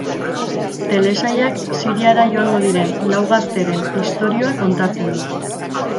Telesailak Siriara joango diren lau gazteren istorioa kontatzen du.